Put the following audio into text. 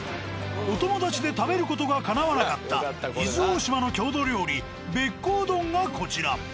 「おともだち」で食べる事がかなわなかった伊豆大島の郷土料理べっこう丼がこちら。